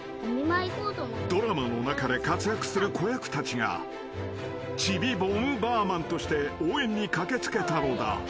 ［ドラマの中で活躍する子役たちがちびボムバーマンとして応援に駆け付けたのだ］